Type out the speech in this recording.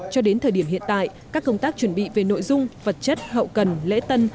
cho đến thời điểm hiện tại các công tác chuẩn bị về nội dung vật chất hậu cần lễ tân